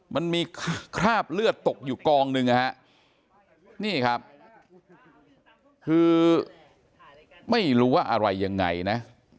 มันมีคราบเลือดตกอยู่กองหนึ่งนะฮะนี่ครับคือไม่รู้ว่าอะไรยังไงนะ